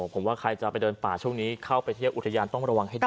ผมว่าใครจะไปเดินป่าช่วงนี้เข้าไปเที่ยวอุทยานต้องระวังให้ดี